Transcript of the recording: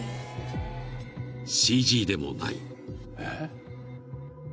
［ＣＧでもない］